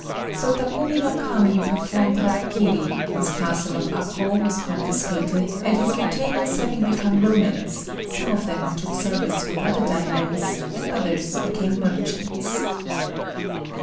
So Takumi no Kami performed hara kiri, his castle of Akô was confiscated, and his retainers having become Rônins, some of them took service with other daimios, and others became merchants.